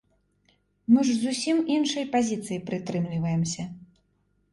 Мы ж зусім іншай пазіцыі прытрымліваемся.